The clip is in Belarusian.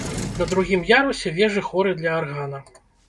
На другім ярусе вежы хоры для аргана.